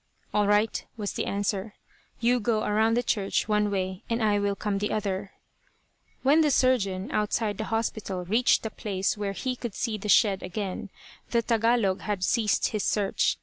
"All right," was the answer. "You go around the church one way, and I will come the other." When the surgeon, outside the hospital, reached a place where he could see the shed again, the Tagalog had ceased his search.